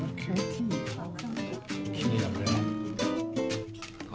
気になるね。